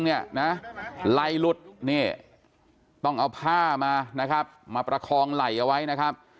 ไหลหลุดต้องเอาผ้ามามาประคองไหลไว้นะครับ